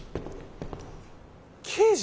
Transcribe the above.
刑事！